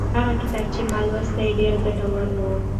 هغه کتاب چې ما لوستلی ډېر ګټور و.